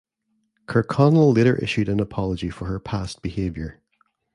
Kirkconnell later issued an apology for her past behavior.